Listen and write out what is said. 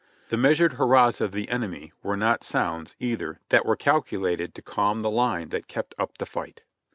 The measured hurrahs of the enemy were not sounds, either, that were calculated to calm the line that kept up the fight.